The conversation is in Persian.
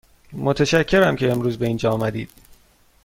متشکرم که امروز به اینجا آمدید.